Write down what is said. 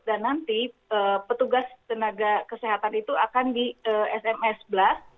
nanti petugas tenaga kesehatan itu akan di sms blast